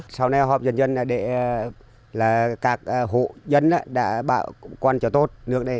sau này họp dân dân để là các hộ dân đã bảo quan trọng tốt nước này